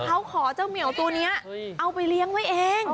เขาขอเจ้าเหมียวตัวนี้เอาไปเลี้ยงไว้เอง